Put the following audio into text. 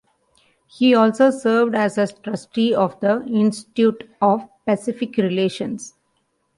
He also served as a trustee of the Institute of Pacific Relations.